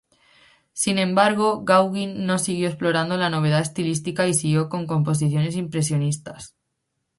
Sin embargo, Gauguin no siguió explorando la novedad estilística y siguió con composiciones impresionistas.